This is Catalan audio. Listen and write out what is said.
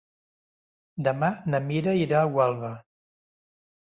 Demà na Mira irà a Gualba.